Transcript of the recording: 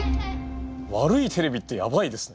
悪いテレビってやばいですね